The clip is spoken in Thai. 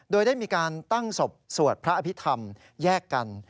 โดยได้มีการตั้งศพสวดพระอภิษฐรรมแยกกัน